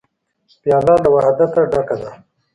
پیاله له وحدته ډکه ده.